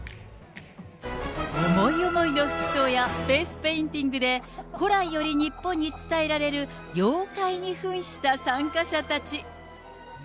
思い思いの服装やフェイスペインティングで古来より日本に伝えられる妖怪にふんした参加者たち。